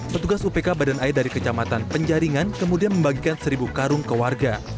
petugas upk badan air dari kecamatan penjaringan kemudian membagikan seribu karung ke warga